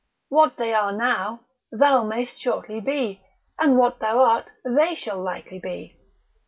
What they are now, thou mayst shortly be; and what thou art they shall likely be.